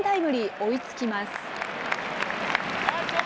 追いつきます。